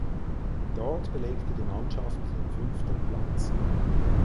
Dort belegte die Mannschaft den fünften Platz.